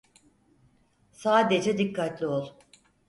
Sadece dikkatli ol.